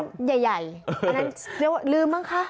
อันใหญ่อันนั้นเรียกว่าลืมมั้งคะ